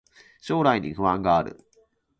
将来に不安がある